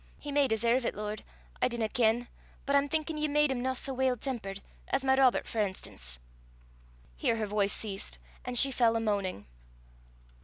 He may deserve 't, Lord, I dinna ken; but I'm thinkin' ye made him no sae weel tempered as my Robert, for enstance." Here her voice ceased, and she fell a moaning.